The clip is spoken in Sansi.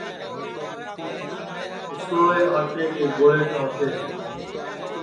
اور اُسݪوݪے آٹے کے گوݪے ٹھاوتے ہے